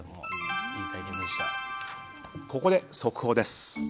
ここで速報です。